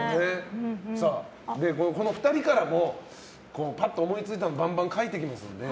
この２人からもぱっと思いついたのをバンバン書いていきますんで。